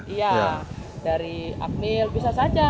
iya dari akmil bisa saja